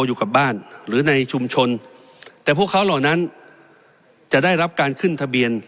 อยู่กับบ้านหรือในชุมชนแต่พวกเขาเหล่านั้นจะได้รับการขึ้นทะเบียน